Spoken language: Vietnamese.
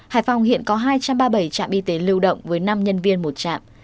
hải phòng hiện có hai trăm ba mươi bảy trạm y tế lưu động với năm nhân viên một trạm